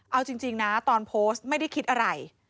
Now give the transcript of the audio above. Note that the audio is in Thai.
เอาจริงนะตอนโพสต์ไม่ได้คิดอะไร